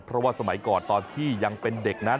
เพราะว่าสมัยก่อนตอนที่ยังเป็นเด็กนั้น